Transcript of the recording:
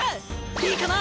いいかな？